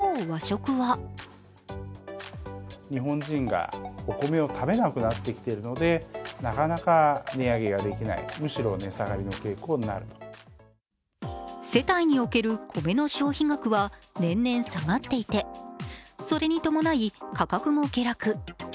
一方、和食は世帯における米の消費額は年々下がっていてそれに伴い価格も下落。